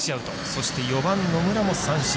そして、４番の野村も三振。